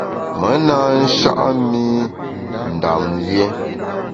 Me na sha’a mi Ndam lié.